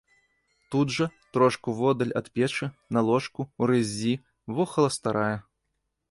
Тут жа, трошку воддаль ад печы, на ложку, у рыззі, вохала старая.